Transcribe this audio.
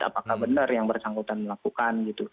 apakah benar yang bersangkutan melakukan gitu